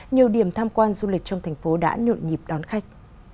nhiều điểm tham quan du lịch trong thành phố đã nhộn nhịp đón khách